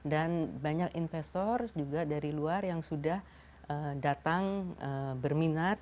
dan banyak investor juga dari luar yang sudah datang berminat